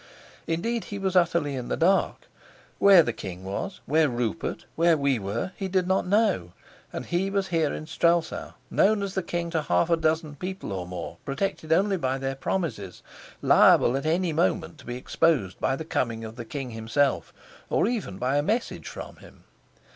Indeed, he was utterly in the dark; where the king was, where Rupert, where we were, he did not know. And he was here in Strelsau, known as the king to half a dozen people or more, protected only by their promises, liable at any moment to be exposed by the coming of the king himself, or even by a message from him.